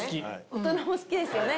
大人も好きですよね？